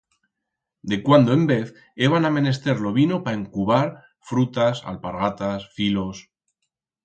De cuando en vez heban amenester lo vino pa encubar, frutas, alpargatas, filos...